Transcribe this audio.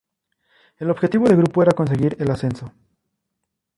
El objetivo del grupo era conseguir el ascenso.